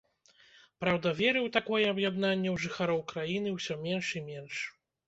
Праўда, веры ў такое аб'яднанне ў жыхароў краіны ўсё менш і менш.